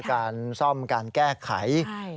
การซ่อมการแก้ไข